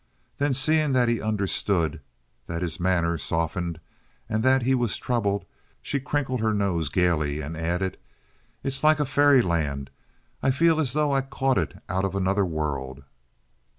Then, seeing that he understood, that his manner softened, and that he was troubled, she crinkled her nose gaily and added: "It's like fairyland. I feel as though I had caught it out of another world."